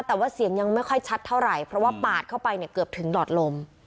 แต่ว่าเสียงยังไม่ค่อยชัดเท่าไหร่เพราะว่าปาดเข้าไปเนี่ยเกือบถึงหลอดลม